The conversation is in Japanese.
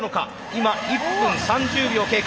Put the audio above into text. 今１分３０秒経過。